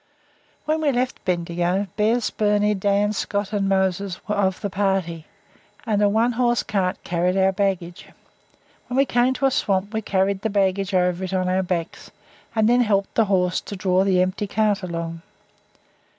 When we left Bendigo, Bez, Birnie, Dan, Scott, and Moses were of the party, and a one horse cart carried our baggage. When we came to a swamp we carried the baggage over it on our backs, and then helped the horse to draw the empty cart along.